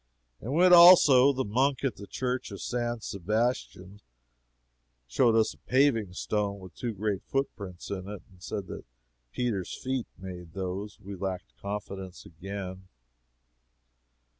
And when, also, the monk at the church of San Sebastian showed us a paving stone with two great footprints in it and said that Peter's feet made those, we lacked confidence again.